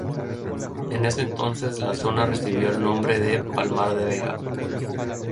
En ese entonces la zona recibió el nombre de "Palmar de Vega".